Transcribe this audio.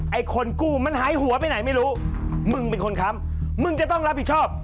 ไอ้คนกู้มันหายหัวไปไหนไม่รู้มึงเป็นคนค้ำมึงจะต้องรับผิดชอบ